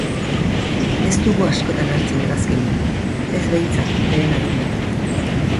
Ez dugu askotan hartzen hegazkina, ez behintzat lehen adina.